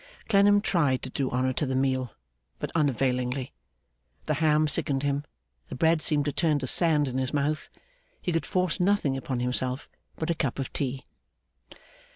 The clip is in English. Clennam tried to do honour to the meal, but unavailingly. The ham sickened him, the bread seemed to turn to sand in his mouth. He could force nothing upon himself but a cup of tea.